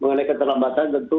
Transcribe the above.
mengenai keterlambatan tentu